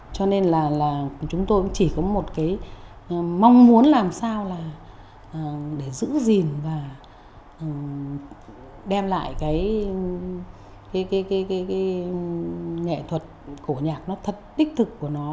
cho nên là chúng tôi cũng chỉ có một cái mong muốn làm sao là để giữ gìn và đem lại cái nghệ thuật cổ nhạc nó thật đích thực của nó